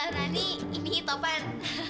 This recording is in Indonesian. rani ini topan